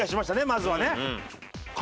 まずはね。